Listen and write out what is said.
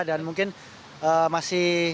dan mungkin masih